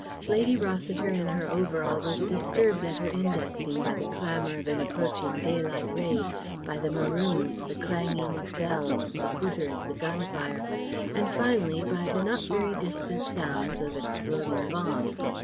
Lady Rossiter in her overall was disturbed at her indexing by the clamour of an approaching daylight raid; by the maroons, the clanging of bells, the hooters, the gunfire; and finally by the not very distant sounds of exploding bombs.